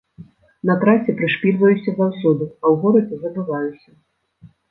На трасе прышпільваюся заўсёды, а ў горадзе забываюся.